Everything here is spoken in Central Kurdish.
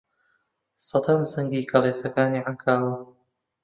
سەدای زەنگی کڵێسەکانی عەنکاوە